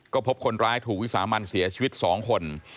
ก็พบคนร้ายถูกวิสามันเสียชีวิต๒คน